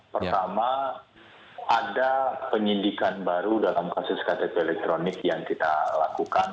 pertama ada penyidikan baru dalam kasus ktp elektronik yang kita lakukan